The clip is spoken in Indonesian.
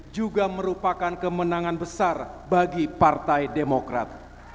juga merupakan kemenangan besar bagi partai demokrat